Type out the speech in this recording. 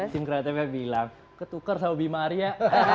tim kreatifnya bilang ketukar sama bima arya